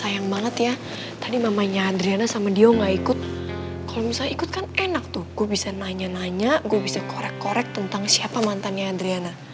ya misalnya ikut kan enak tuh gue bisa nanya nanya gue bisa korek korek tentang siapa mantannya adriana